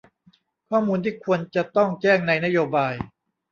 ข้อมูลที่ควรจะต้องแจ้งในนโยบาย